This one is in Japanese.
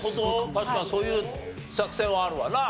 確かにそういう作戦はあるわな。